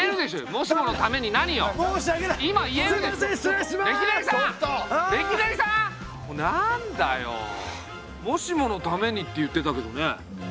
「もしものために」って言ってたけどね。